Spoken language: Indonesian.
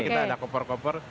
kita ada koper koper